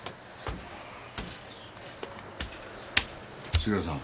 杉浦さん。